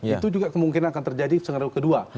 itu juga kemungkinan akan terjadi di segera kedua